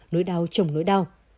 một mươi chín nỗi đau chồng nỗi đau